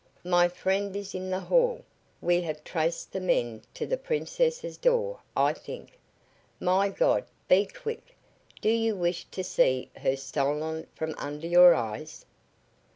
"My friend is in the hall. We have traced the men to the Princess's door, I think. My God, be quick! Do you wish to see her stolen from under your eyes?"